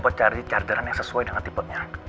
buat cari chargeran yang sesuai dengan tipe nya